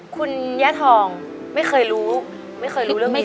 คุณย่าทองไม่เคยรู้ไม่เคยรู้เรื่องไม่เคย